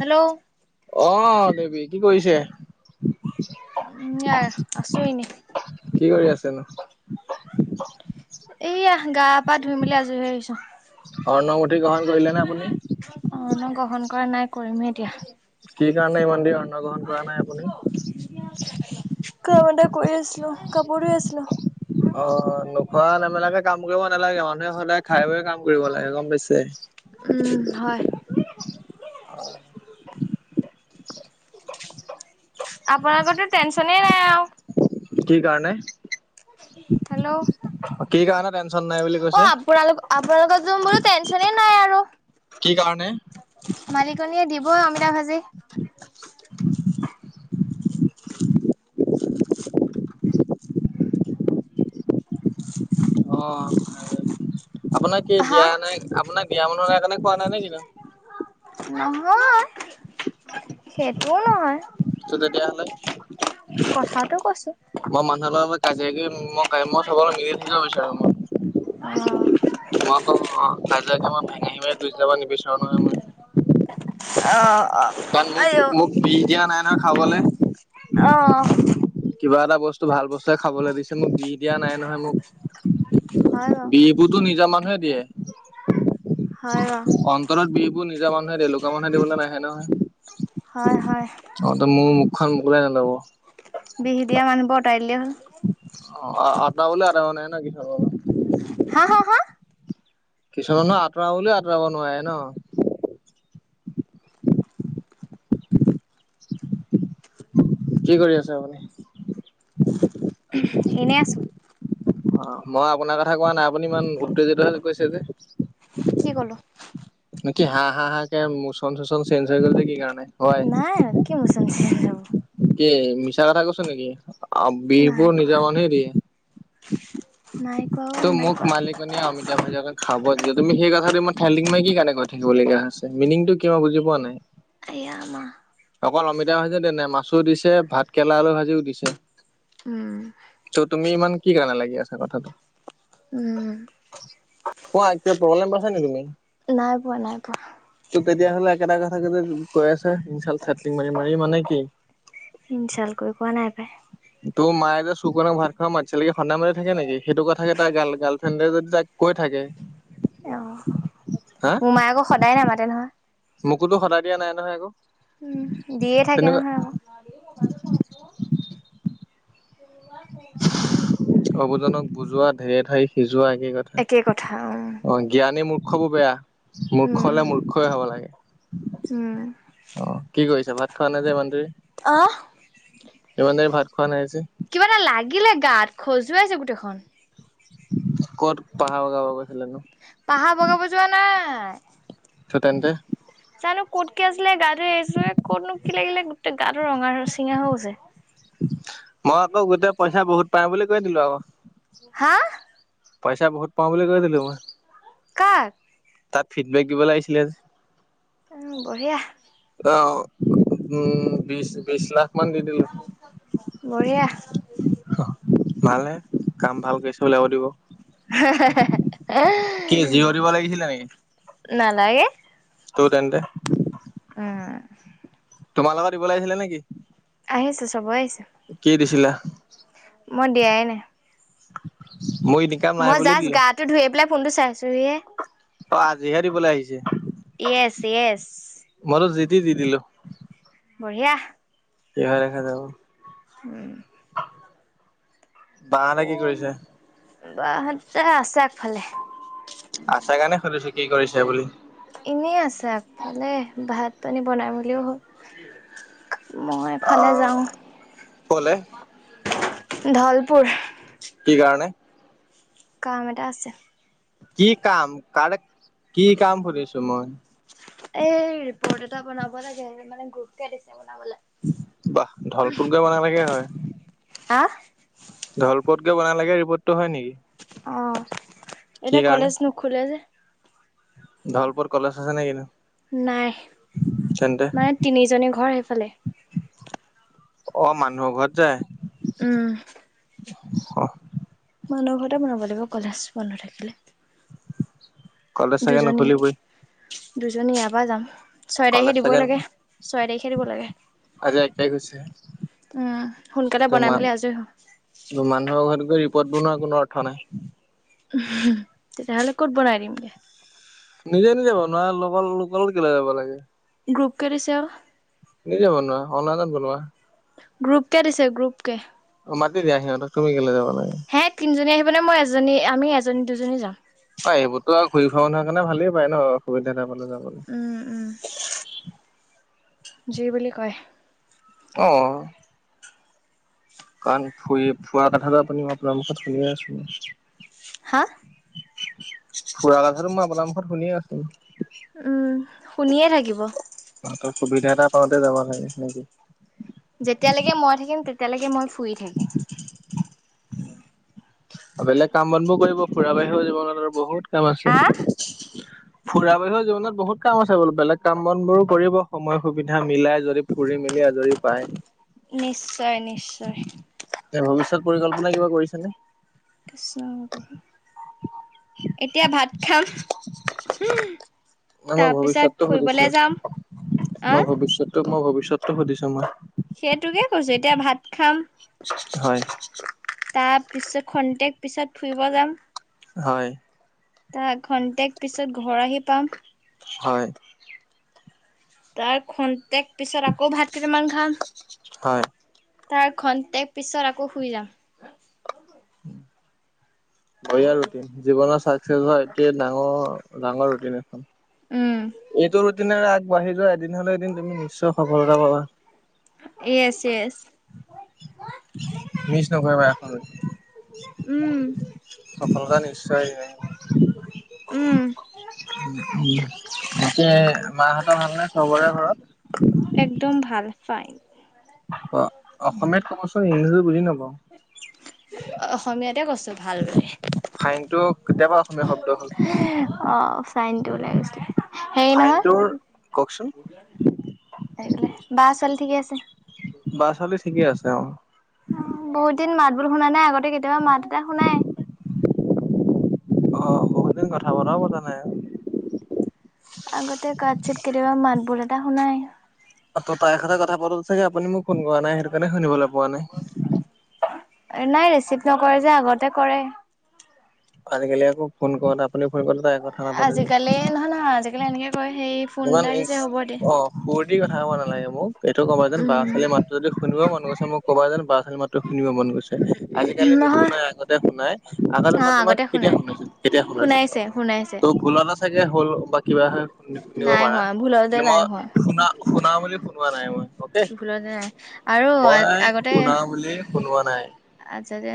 Hello. অঁ দেৱী কি কৰিছে? এইয়া আছো এনেই। কি কৰি আছেনো? এইয়া গা পা ধুই মেলি আজৰি হৈ আহিছো। অৰ্ণমুঠি গ্ৰহণ কৰিলে নে আপুনি? অৰ্ণ গ্ৰহণ কৰা নাই, কৰিমহে এতিয়া। কি কাৰণে ইমান দেৰি অৰ্নগ্ৰহণ কৰা নাই আপুনি? কাম এটা কৰি আছিলো, কাপোৰ ধুই আছিলো। অ' নোখোৱা নেমেলাকে কাম কৰিব নেলাগে মান মানে সদায় খায় বৈ কাম কৰিব লাগে, গম পাইছে। উম হয়। আপোনালোকৰোতো টেনচনে নাই আও। কি কাৰণে? হেল্ল' অ কি কাৰণে টেনচন নাই বুলি কৈছে? আপোনালোক আপোনালোকৰ তোন বোলো টেনচনে নাই আৰু। কি কাৰণে? মালিকনীয়ে দিবই অমিতা ভাজি। [inaudible] অ তাৰ আপোনাক কি হা দিয়া নাই, আপোনাৰ বিয়া ব নোৱাৰা নাই কাৰণে খোৱা নাই নে কিনো। নহয় সেইটোও নহয়। তো তেতিয়াহলে কথাটো কৈছো মই মানুহৰ লগৰ লগ কাজিয়া কৰি মোক নাই মই চবৰ লগত মিলি থাকিব বিচাৰো মই। অ মই আকৌ অ কাজিয়াকে মই ভেঙে সিমাই গুচি যাব নিবিচাৰো নহয় মই। অহ। কাৰণ মোক মোক বিহ দিয়া নাই নহয় খাবলে। অ কিবা এটা বস্তু ভাল বস্তুৱে খাবলৈ দিছে মোক বি দিয়া নাই নহয় মোক। হয় বাও। গুতো নিজা মানুহে দিয়ে। হয় বাৰু অন্তৰত বিহবোৰ নিজা মানুহে দিয় লুকা মানুহে দিবলৈ নাহে নহয়। হয় হয়। অ ত মোৰ মুখন খোলাই নলব। বিহি দিয়া মানুহবোৰ অতৰাই দিলেই হ'ল। অ আটা বলে অতৰাব নাই ন কি [inaudible] হা হা হা? কিছুমানহ আঁতৰাব বুলিও আঁতৰাব নোৱাৰে ন। কি কৰি আছো আপুনি? এনে আছোঁ। অ মই আপোনাৰ কথা কোৱা নাই আপুনি ইমান উত্তেজিত হ কৈছে যে। কি ক'লো? নেক কি হাঁহ হাঁহ হাঁ কে মোচন চোচন চেঞ্জ হৈ গ'ল জে কি কাৰণে? হয় নাই কি মোৰচন চেঞ্জ হৈ গল। কি মিছা কথা কৈছো নেকি, অঁ নাই বিহবোৰ কোৱা নিজা মানুহে দিয়ে। নাই কৰক ত মোক মালিকনী অমিতা ভাইাজি অকন খাব দিলে। তুমি সেই কোঠাটো ইমান ফিল্ডিং মাৰি কি কাৰণে কৈ থাকিবলগীয়া হৈছে। মিনিংটো কি মই বুজি পোৱা নাই। আয়া মা অকল অমিতা দিয়া নাই মাছো দিছে ভাত কেলা আলু ভাজিও দিছে। উম ত তুমি ইমান কি কাৰণে লাগি আছা কথাটো। উম। কোৱা কিবা প্ৰব্লেম পাইছা নি তুমি? নাই পোৱা নাই পোৱা। টো তেতিয়া হ'লে একেটা কথা যদি কৈ আছে ইনাল চাটলিং মাৰি মাৰি মানে কি। ইনঞ্চাল কৰি কোৱা নাই পায়। তোৰ মায়ে যে চুকনক ভাত খোৱা মাছিলে সন্ধান মতে থাকে নেকি সেইটো কথা। এটা গাল গাল তেন্তে যদি তাক কৈ থাকে। অ, হা মোৰ মায়ে আক সদায় নামাতে নহয়। মোকোতো সদায় দিয়া নাই নহয় আকৌ। উম দিয়ে থাকে তেনেকুৱা নহয় আকৌ। অবুজনক বুজোৱা ঢেৰ ঠাই সিজোৱা একে কথা। একে কথা অহ। অজ্ঞানী মূৰ্খ বোৰ বেয়া, মূৰ্খ উম হ'লে মূৰ্খই হ'ব লাগে। উম অ কি কৰিছা ভাত খোৱা নাই যে ইমান দেৰি। অহ'? টো ইমান দেৰি ভাত খোৱা নাই যে? কিবা এটা লাগিলে গাত, খজুৱাইছে গোটেইখন। ক'ত পাহাৰ বগাব গৈছিলানো? পাহাৰ বগাব যোৱা নাই। চ' তেন্তে? জানো ক'ত কি আছিলে, গা ধুই আহিছোহে ক'তনো কি লাগিলে গোটেই, গাটো ৰঙা চিঙা হৈ গৈছে। মই আকৌ, গোটেই পইচা বহুত পাই বুলি কৈ দিলো আউ। হা? পইচা বহুত পাওঁ বুলি কৈ দিলো মই। কাক? তাত ফিডবেক দিব আহিছিলে যে। উম, বঢ়িয়া। অ', উম, বিছ, বিছ লাখ মান দি দিলো। বঢ়িয়া। অ', ভালহে, কাম ভাল কৰিচে বালে আউ দিব। হে, হে, হে। কি জিৰ' দিব লাগিছিলে নেকি? নালাগে। ত' তেন্তে? উম। তোমালোকৰ দিবলৈ আহিছিলে নেকি? আহিছে, চবয় আহিছে। কি দিছিলা? মই দিয়াই নাই। মই [inaudible] মই যাষ্ট গাটো ধুই আহি পেলাই, ফোনটো চাইছোহি হে। অ', আজিহে দিবলে আহিছে। Yes, yes. মইটো জিতি দি দিলো। বঢ়িয়া। কি হয় দেখা যাব। উম। বা হঁতে কি কৰিছে? বা হঁতে আছে আগফালে। আছে কাৰণে সুধিছো, কি কৰিছে বুলি। এনেই আছে আগফালে, ভাত পানী বনাই মেলও হ'ল। মই এফালে অ' যাওঁ, ক'লে ঢলপুৰ। কি কাৰণে? কাম এটা আছে। কি কাম, কাৰেক কি কাম সুধিছো মই। এই ৰিপৰ্ট এটা বনাব লাগে মানে গ্ৰুপকে দিছে বনাবলে বাহ ধলপোত গৈ বনালেগে হয় আ ধলপোত গৈ বনালেগে ৰিপটটো হয় নেকি অঁ', কি এতিয়া কাৰণে? কলেজ নুখোলে যে। ধলপদ কলেজ আছে নেকি? নাই, মানে তিনিজনী ঘৰ সেইফালে। অ' মানুহৰ ঘৰত যায়। উমঁ। অহ'। মানুহ ঘৰতে বনাব লাগিব কলেজ বন্ধ থাকিলে। কলেজ চাগে দুজনী, নুখুলিবই। দুজনী ইয়াৰ পৰা যাম, ছয় তাৰিখে কলেজ দিবই চাগে লাগে। ছয় তাৰিখে দিব লাগে। আজি এক তাৰিখ হৈছে। উমঁ, সোনকালে বনাই তোমাৰ মেলি আজৰি হম। মানুহৰ ঘৰত গৈ ৰিপৰ্ট বনোৱাৰ কোনো অৰ্থ নাই। তেতিয়াহ'লে ক'ত বনাই দিম গে। নিজে-নিজে বনোৱা, লগৰ লোকৰ কেলে যাব লাগে। গ্ৰুপকে দিছে অ'। নিজে বনোৱা, অনলাইনত বনোৱা। গ্ৰুপকে দিছে, গ্ৰুপকে। অ' মাতি দিয়া সিহঁতক তুমি কেলৈ যাব লাগে। সেই তিনিজনী আহিব নে মই এজনী আমি এজনী-দুজনী যাম। অ' এইবোৰতো আৰু ঘূৰি ফুৰা মানোহৰ কাৰণে ভালেই পায় ন' অ' সুবিধা এটা পালে যাবলৈ। উম-উম। যি বুলি কয়। অঁ'। [unintelligible] কাৰণ ফুৰি ফোৱা কথাটো আপুনি মই আপোনাৰ মুখত শুনিয়ে আছোঁ। হাঁ? ফুৰা কথাটো মই আপোনাৰ মুখত শুনিয়ে আছোঁ। উমঁ, শুনিয়ে থাকিব। তহঁতৰ সুবিধা এটা পাওঁতে যাব লাগে নেকি। যেতিয়ালৈকে মই থাকিম তেতিয়ালৈকে মই ফুৰি থাকিম। বেলেগ কাম-বনবোৰ কৰিব ফুৰা বাহিৰেও জীৱনত আৰু বহুত কাম আছে। আহ ফুৰা বাহিৰেও জীৱনত বহুত কাম আছে বোলো, বেলেগ কাম-বনবোৰো কৰিব সময় সুবিধা মিলাই যদি- ঘুৰি মেলি আজৰি পায়। নিশ্চয় নিশ্চয় এ' ভৱিষ্যত পৰিকল্পনা কিবা কৰিছে নে? আচ্ছা'। এতিয়া ভাত খাম। ন মই ভৱিষ্যতটো তাৰপিছত ফুৰিবলে যাম। আঁহ'? তাৰপিছত টো মই ভৱিষতটো সুধিছো মই। সেইটোকে কৈছো, এতিয়া ভাত খাম। হয়। তাৰ পিছত খন্তেক পিছত ফুৰিব যাম। হয়। খন্তেক পিছত ঘৰ আহি পাম। হয়। তাৰ খন্তেক পিছত আকৌ ভাত কেইটামান খাম। হয়। তাৰ খন্তেক পিছত আকৌ শুই যাম। বঢ়িয়া ৰুটিন, জীৱনৰ চাকচেছ হোৱা এটোৱে ডাঙৰ ডাঙৰ ৰুটিন এখন। উম এইটো তেনেকে আগবাঢ়ি যোৱা এদিন হ'লে এদিন তুমি নিশ্চয় সফলতা পাবা। Yes, yes. মিছ নকৰিবা এখনো। উম। সফলতা নিশ্চয় উম আহিব। পিছে মাহঁতৰ ভাল নে চবৰে ঘৰত। একদম ভাল, ফাইন। অ', অসমীয়াত কবচোন ইংলিছট বুজি নাপাওঁ। অসমীয়াতে কৈছো ভাল বুলি। ফাইন টো কেতিয়াৰপা অসমীয়া শব্দ হ'ল? অ', ফাইনটো ওলাই গৈছিলে। হেৰি নহয় ফাইনটোৰ, কওকচোন। বা ছোৱালী ঠিকেই আছে? বা ছোৱালী ঠিকে আছে অ', অ', বহুত দিন মাত বোল শুনা নাই, আগতে কেতিয়াবা মাত এটা শুনাই। অ', বহুত দিন কথা বতাও পতা নাই। আগতে কাঠ চিত কেতিয়াবা মাতবোল এটা শুনাই। অ', ত' তাইৰ সৈতে কথা পাতোঁতে চাগে আপুনি মোক ফোন কৰা নাই, সেইটো কাৰণে শুনিবলৈ পোৱা নাই। নাই ৰেচিভ নকৰে যে, আগতে কৰে। আজিকালি আকৌ ফোন কৰোতে আপুনি শুই গ'ল তাৰ আগত। আজিকালি নহয় নহয় আজিকালি এনেকে কয় সেই ফোন ইমান এটা ইচ আহিছে হ'ব দে অ' সুৰ দি কথা ক'ব নালাগে মোক। এইটো ক'বা যেন বা উম ছোৱালী মাত যদি শুনিব মন গৈছে মোক ক'বা যে বা ছোৱালী মাতটো শুনিব মন গৈছে। আজিকালি নহয় নুশুনাই আগতে শুনাই, আগতে অ মই তোমাক কেতিয়া শুনাই শুনাইছো কেতিয়া শুনাই শুনাইছে। শুনাইছে ত' তুলনা এটা চাগে হ'ল বা কিবা হয় শুনিব নাই পাৰা। হোৱা ভুলতে কিন্তু নাই মই হোৱা শুনা শুনাও বুলি শুনোৱা নাই মই। অ'কে ভুলতে নাই আৰু মই শুনাও বুলি শুনোৱা নাই। আচ্ছা যে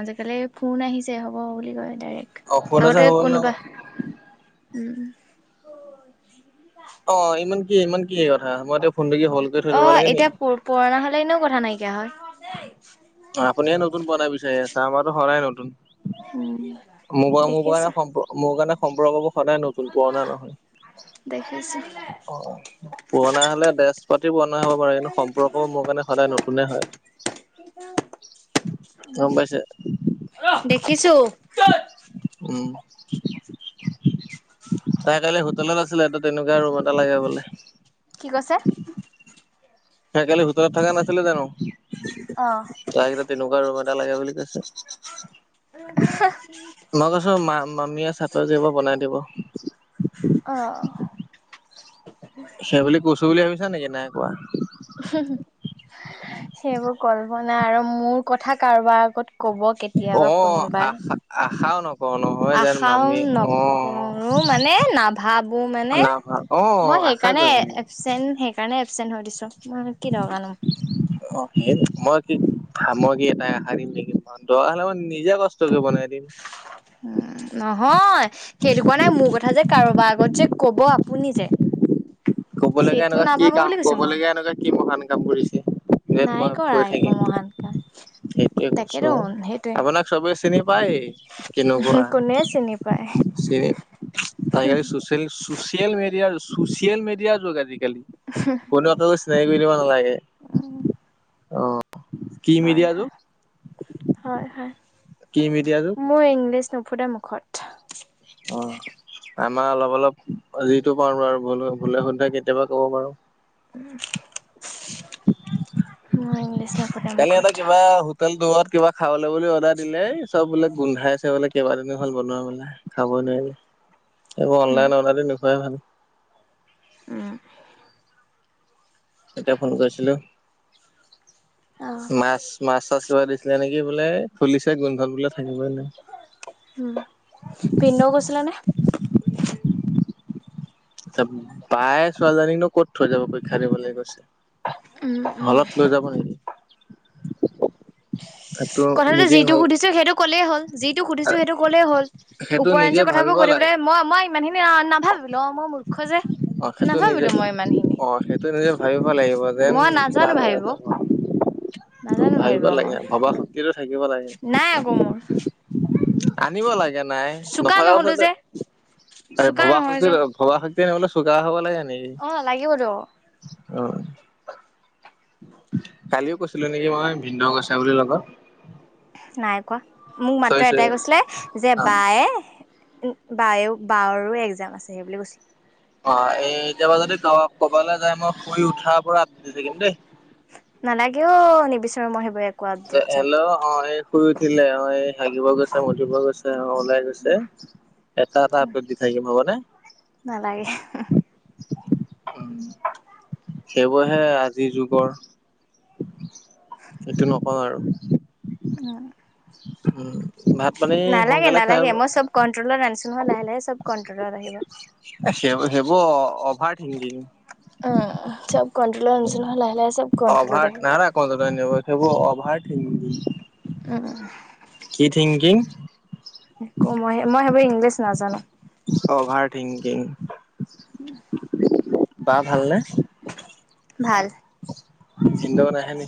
আজিকালি ফোন আহিছে হ'ব বুলি কয় ডাইৰেক্ট। অ ফোন এটা আগতে হ'ল ন কোনোবা অ', ইমান কি ইমান কি কথা মই এতিয়া ফোনটো কি হল্ড কৰি থৈ দিব অ', লাগে নি এতিয়া প পুৰণা হ'লে এনেও কথা নাইকিয়া হয়। আপুনিয়ে নতুন পুৰণা বিচাৰি আছে, আমাৰতো সদায় নতুন। উম মোৰ পৰা মোৰ পৰা দেখিছো সম্প মোৰ কাৰণে সম্পৰ্কবোৰ সদায় নতুন পুৰণা নহয়। দেখিছো। পুৰণা হ'লে ডেছ পাতি পুৰণা হ'ব পাৰে, কিন্তু সম্পৰ্কও মোৰ কাৰণে সদায় নতুনে হয়। গম পাইছে দেখিছো। উম। তাই কালি হোটেলত আছিলে, তেনেকুৱা ৰুম এটা লাগে বোলে। কি কৈছে? তাই কালি হোটেলত থকা নাছিলে জানো? অ'। তাইক এতিয়া তেনেকুৱা ৰুম এটা লাগে বুলি কৈছে। উ [unintelligible] মই কৈছো মা মামীয়ে চাকৰি কৰিব বনাই দিব। অহ সেই বুলি কৈছো বুলি ভাবিছা নিকি, নাই কোৱা। [unintelligible] সেইবোৰ কল্পনা আৰু মোৰ কথা কাৰোবাৰ আগত ক'ব কেতিয়াবা অ', আ কোনোবাই আ, আশাও ন আশাও নকৰো মানে, নাভাবো না মানে- অ মই আশা সেইকাৰণে কৰিম এবচেন্ট, সেইকাৰণে এবচেন্ট হৈ দিছো, মই কি দৰকাৰনো। অ' সেই, মই কি, মই কি তাইক আশা দিম নেকি কোৱা দৰকাৰ হ'লে মই নিজে কষ্ট কৰি বনাই দিম। উম। নহয়, সেইটো কোৱা নাই, মোৰ কথা যে কাৰোবাৰ আগত যে ক'ব আপুনি যে ক'বলগীয়া সেইটো এনেকুৱা কি নাভাবো কাম, বুলি কৈছো মই কবলগীয়া এনেকুৱা কি মহান কাম কৰিছে। যে, নাই মই কৰা কৈ একো থাকিম, মহান কাম। সেইটোৱে কৈছো, তাকেতো সেইটোৱে আপোনাক চবে চিনি পাইয়ে। কেনেকুৱা কোনে চিনি পায় চে আজিকালি চচিয়ে চোচিয়েল মিডিয়া, চোচিয়েল মিডিয়াৰ যোগ আজিকালি। [unintelligible] বোলো আকৌ চিনাকি কৰি দিব নালাগে। অ কি হয়, মিডিয়া যুগ হয়, হয়, হয়। কি মিডিয়া এইটো? মোৰ ইংলিছ নুফুটে মুখত। অ' আমাৰ অলপ অলপ, যিটো পাৰো আৰু ভুল ভুলে শুদ্ধয়ে কেতিয়াবা ক'ব পাৰো। মই ইংলিছ নুফুটে কাইলে এটা মুখত। কিবা সু হোটেল দবাত কিবা খাবলে বুলি অৰ্ডাৰ দিলেই চব বোলে গোন্ধাইছে বোলে, কেইবাদিন হ'ল বনোৱা বোলে। খাবই নোৱাৰিলে এইবোৰ উম অনলাইন অৰ্ডাৰ দি নোখোৱাই ভাল। উম এতিয়া ফোন কৰিছিলো। অ' মাছ, মাছ-চাছ কিবা দিছিলে নেকি বোলে, খুলিছে গোন্ধত বোলে থাকিবই নোৱাৰে। উম, ভিনদেও গৈছিলে নে? বায়ে ছোৱালীজনীকনো ক'ত থৈ যাব পৰীক্ষা দিবলৈ গৈছে। উম উম হলত লৈ যাব নিকি? সেইটো কথাটো নিজে যিটো ভাব সুধিছো সেইটো কলেই হ'ল, যিটো সুধিছো সেইটো ক'লেই হ'ল। সেইটো নিজে উপৰেঞ্চি কথাবোৰ ভাবিব কৈ লাগে থাকিবলৈ মই, মই ইমানখিনি না নাভাবিলো, মই মূৰ্খ যে। অ', সেইটো নিজে, নাভাবিলো মই ইমান খিনি অ', সেইটো নিজে ভাবিব লাগিব, যেন মই নাজানো ভাবিব নাজানো ভাবিব মই। ভবা শক্তিটো থাকিব লাগে। নাই আকৌ মোৰ আনিব লাগে নাই, চোকা নথকা নহলো পাছত, যে আৰে চোকা ভবা শ নহয় যে ভবা শক্তি আনিবলে চোকা হব লাগে নিকি অ লাগিবতো অ' কালিও কৈছিলো নেকি মই ভিনদেও গৈছে বুলি লগত। নাই কোৱা, মোক মাত্ৰ চইছে এটাই কৈছিলে যে অ বায়ে বায়েও, বাৰো এক্জাম আছে সেই বুলি কৈছিলে। অ' এই এতিয়া পৰা যদি কৰবালৈ যায়, মই শুই উঠাৰ পৰা আপুনি [unintelligible] থাকিম দেই। নালাগেও অউ নিবিচাৰো মই সেইবোৰ এক। এ এল্ল'। অ', এই শুই উঠিলে, অ', এই হাগিব গৈছে, মুতিব গৈছে, অ', ওলাই গৈছে। এটা, এটা আপডেট দি থাকিম হ'ব নে? নালাগেহ। উম সেইবোৰহে আজি যুগৰ। সেইটো নকওঁ আৰু। উম। উম, ভাত পানী সোনকালে খাই ব কন্ট্ৰলত আনিছোঁ নহয় লাহে লাহে চব কন্ট্ৰলত আহিব। সেইবোৰ সেইবোৰ অভাৰ থিংকিং। উম চব কন্ট্ৰোত আনিছোঁ নহয় লাহে লাহে চব কন্ট্ৰলত আহিব। কলট নব সেইবোৰ অভাৰ থিংকিং। উহ কি থিংকিং? একো মই মই সেইবোৰ ইংলিছ নাজানো। অভাৰ থিংকিং, বা ভালনে? ভাল। জিন্দও নাহে নি?